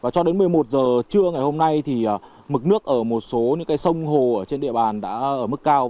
cho đến một mươi một h trưa ngày hôm nay mực nước ở một số sông hồ trên địa bàn đã ở mức cao